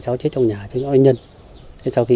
tại hiện trường phát hiện hai nạn nhân trên sàn nhà